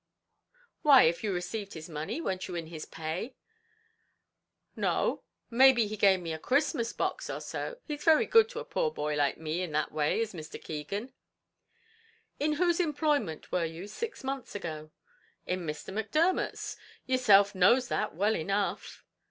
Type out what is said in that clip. "Why, if you received his money weren't you in his pay?" "No; maybe he gave me a Christmas box or so; he's very good to a poor boy like me in that way, is Mr. Keegan." "In whose employment were you six months ago?" "In Mr. Macdermot's; yourself knows that well enough."